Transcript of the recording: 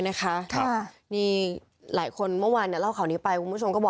เพราะยิ่งช่วงนี้ถึงมันรูปอนเดต